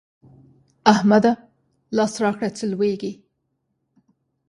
احمده! لاس راکړه چې لوېږم.